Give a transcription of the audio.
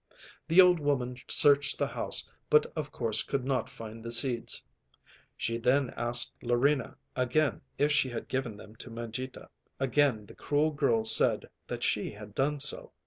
The old woman searched the house, but of course could not find the seeds. She then asked Larina again if she had given them to Mangita. Again the cruel girl said that she had done so.